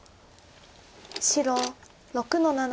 白６の七。